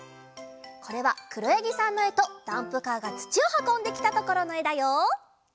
これはくろやぎさんのえとダンプカーがつちをはこんできたところのえだよ！